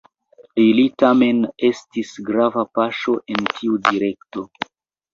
Ili tamen estis grava paŝo en tiu direkto.